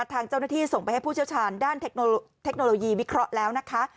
ทางเจ้าหน้าที่ส่งไปให้ผู้เชี่ยวชาญด้านเทคโนโลยีวิเคราะห์แล้วนะคะ